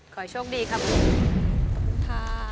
ขอโชคดีครับ